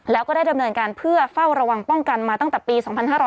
แล้วก็ได้ดำเนินการเพื่อเฝ้าระวังป้องกันมาตั้งแต่ปี๒๕๕๙